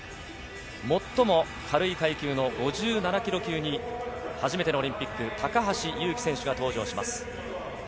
最も軽い階級の５７ｋｇ級に初めてのオリンピック、高橋侑希選手が登場します。